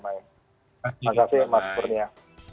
terima kasih mas kurnia